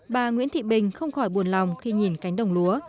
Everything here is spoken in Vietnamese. bà nguyễn thị bình không khỏi buồn lòng khi nhìn cánh đồng lúa